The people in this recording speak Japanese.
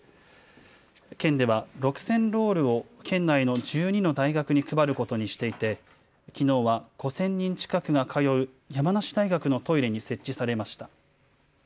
県では６０００ロールを県内の１２の大学に配ることにしていてきのうは５０００人近くが通う山梨大学のトイレに設置されました。